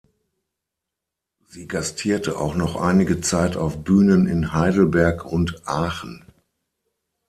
Sie gastierte auch noch einige Zeit auf Bühnen in Heidelberg und Aachen.